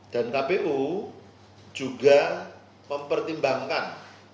dan kpu juga mempertimbangkan